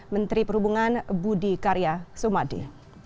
menteri perhubungan budi karya sumadi